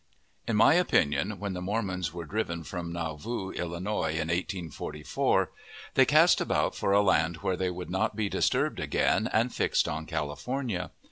In my opinion, when the Mormons were driven from Nauvoo, Illinois, in 1844, they cast about for a land where they would not be disturbed again, and fixed on California.